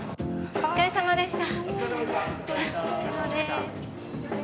お疲れさまでした。